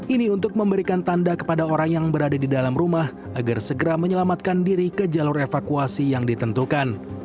ini untuk memberikan tanda kepada orang yang berada di dalam rumah agar segera menyelamatkan diri ke jalur evakuasi yang ditentukan